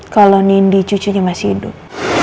kalau nindi cucunya masih hidup